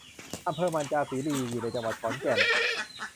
อำเภอมัญจาคีรี อยู่ในจังหวัดขอนแก่น